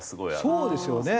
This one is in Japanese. そうですよね。